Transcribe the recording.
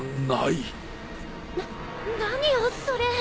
な何よそれ！